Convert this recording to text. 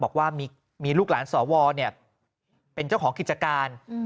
บอกว่ามีลูกหลานสวเป็นเจ้าของกิจการ